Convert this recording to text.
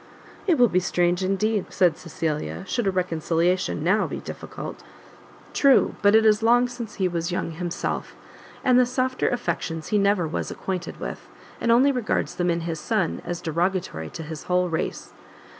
"It will be strange indeed," said Cecilia, "should a reconciliation now be difficult!" "True; but it is long since he was young himself, and the softer affections he never was acquainted with, and only regards them in his son as derogatory to his whole race.